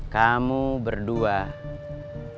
kamu berdua apes